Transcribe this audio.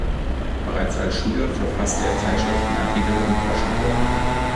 Bereits als Schüler verfasste er Zeitschriftenartikel und Groschenromane.